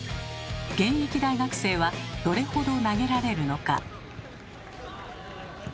現役大学生はどれほど投げられるのか。